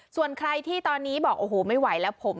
ส่วนใครที่ตอนนี้บอกโอ้โหไม่ไหวแล้วผม